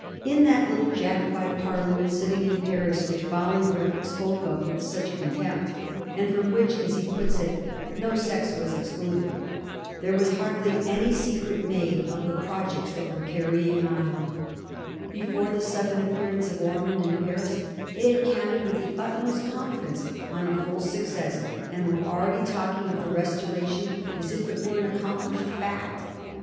In that little Jacobite Parliament sit ting in Paris, which Bolingbroke spoke of with such contempt, and from which, as he puts it, *no sex was excluded/ there was hardly any secret made Digiti zed by Google 158 A HISTORY OF THE FOUR GEORGES. ch: vn, of the projects they were carrying on. Before the sudden appearance of Ormond in Paris they had counted, with the utmost confidence, on a full suc cess, and were already talking of the Restoration as if it were an accomplished fact.